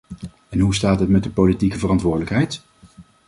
En hoe staat het met de politieke verantwoordelijkheid?